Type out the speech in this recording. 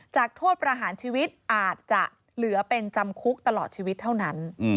โทษประหารชีวิตอาจจะเหลือเป็นจำคุกตลอดชีวิตเท่านั้น